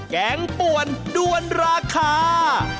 แกงป่วนด้วนราคา